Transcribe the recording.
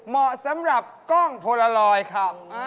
เมาะสำหรับกล้องโพลาลอยค่ะ